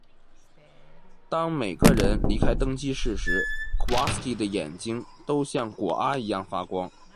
当每个人离开登机室时 ，Kawalsky 的眼睛都像果阿一样发光。